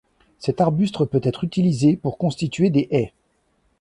Cet arbuste peut être utilisé pour constituer des haies.